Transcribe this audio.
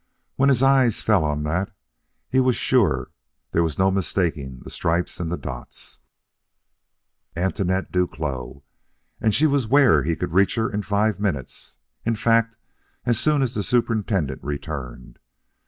When his eyes fell on that, he was sure; there was no mistaking the stripes and the dots. Antoinette Duclos! and she was where he could reach her in five minutes in fact as soon as the superintendent returned.